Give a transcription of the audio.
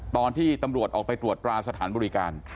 ตอนที่ตำรวจออกไปตรวจราสถานบริการ